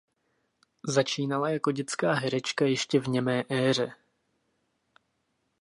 Začínala jako dětská herečka ještě v němé éře.